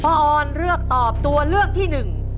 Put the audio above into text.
ออนเลือกตอบตัวเลือกที่หนึ่ง